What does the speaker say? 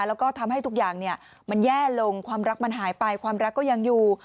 แล้วก็ทำให้ทุกอย่างมันแย่ลงความรักมันหายไปความรักก็ยังอยู่